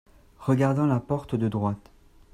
Regardant la porte de droite.